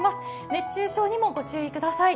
熱中症にもご注意ください。